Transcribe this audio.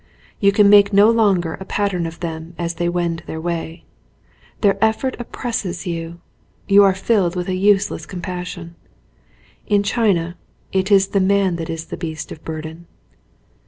You can make no longer a pattern of them as they wend their way. Their effort oppresses you. You are filled with a useless compassion. In China it is man that is the beast of burden.